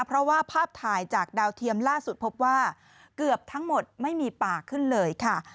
เพราะว่าภาพถ่ายจากดาวเทียมล่าสุดพบว่าเกือบทั้งหมดไม่มีป่าขึ้นเลยค่ะ